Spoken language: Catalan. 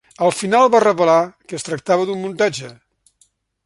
Al final va revelar que es tractava d"un muntatge.